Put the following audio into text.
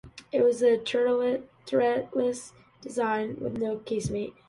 It was a turretless design with no casemate.